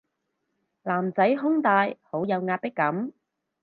男仔胸大好有壓迫感